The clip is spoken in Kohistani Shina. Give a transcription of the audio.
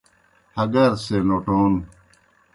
ہگار سے نوٹون